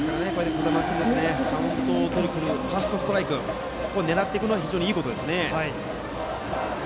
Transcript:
児玉君、カウントをとりにくるファーストストライクを狙っていくのはいいことです。